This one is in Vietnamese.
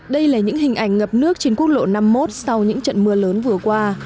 đây là những hình ảnh ngập nước trên quốc lộ năm mươi một sau những trận mưa lớn vừa qua